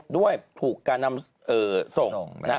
ด้วยถูกการนำส่ง